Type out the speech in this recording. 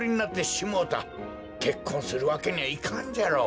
けっこんするわけにはいかんじゃろ。